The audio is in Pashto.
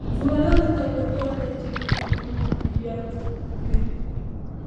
ځوانانو ته پکار ده چې، اوبه مدیریت کړي.